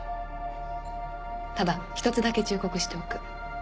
ただ一つだけ忠告しておく。